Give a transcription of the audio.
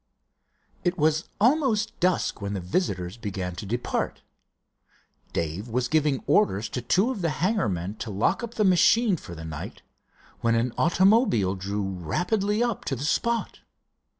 It was almost dusk when the visitors began to depart. Dave was giving orders to two of the hangar men to lock up the machine for the night, when an automobile drew rapidly up to the spot.